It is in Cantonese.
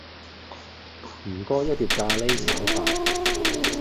唔該一碟咖哩炒飯